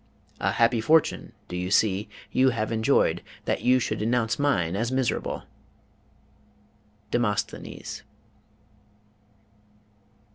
A happy fortune, do you see, you have enjoyed, that you should denounce mine as miserable! DEMOSTHENES.